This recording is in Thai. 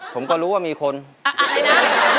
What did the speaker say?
ผมก็รู้ว่ามีคนอะไรนะ